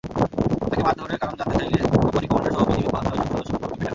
তাঁকে মারধরের কারণ জানতে চাইলে কোম্পানি কমান্ডারসহ বিজিবির পাঁচ-ছয়জন সদস্য মুকুলকে পেটান।